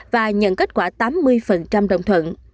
và nhận kết quả tám mươi đồng thuận